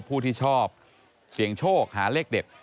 ผู้ที่ชอบเสี่ยงโชคหาเลขเด็ด